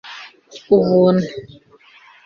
ubuntu